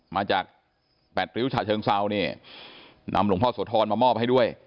มาจากแปดริ้วฉะเชิงเซานี่นำหลวงพ่อโสธรมามอบให้ด้วย